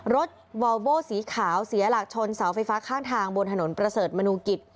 วอลโบสีขาวเสียหลักชนเสาไฟฟ้าข้างทางบนถนนประเสริฐมนูกิจ